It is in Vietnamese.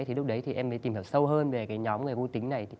thì lúc đấy em mới tìm hiểu sâu hơn về cái nhóm người vô tính này